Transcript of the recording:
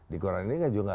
di koran ini kan juga